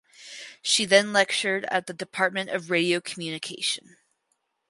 She then lectured at the Department of Radiocommunication.